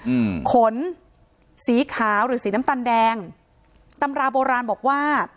อืมขนสีขาวหรือสีน้ำตาลแดงตำราโบราณบอกว่า